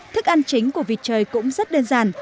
thức ăn chính của vịt trời cũng rất đơn giản